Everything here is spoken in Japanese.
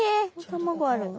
卵あるの？